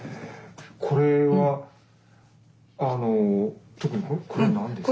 これはあの特にこれ何ですか？